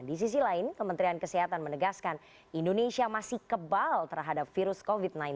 di sisi lain kementerian kesehatan menegaskan indonesia masih kebal terhadap virus covid sembilan belas